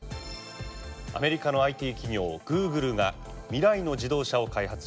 アメリカのＩＴ企業グーグルが未来の自動車を開発中です。